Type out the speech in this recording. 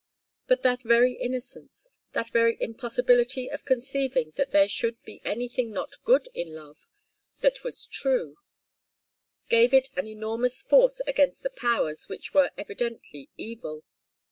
But that very innocence, that very impossibility of conceiving that there should be anything not good in love that was true, gave it an enormous force against the powers which were evidently evil.